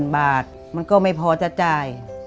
๔๐๐๐๐บาทมันก็ไม่พอจะจ่าย